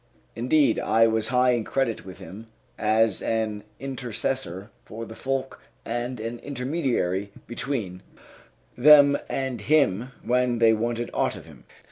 Indeed, I was high in credit with him, as an intercessor for the folk and an intermediary between them and him, when they wanted aught of him.